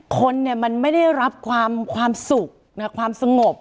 คนไม่ได้รับความสุขความสงบ